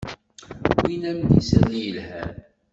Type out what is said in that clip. Wwiɣ-am-d isalli yelhan.